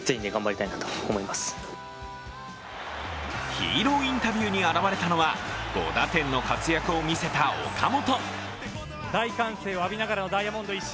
ヒーローインタビューに現れたのは５打点の活躍を見せた岡本。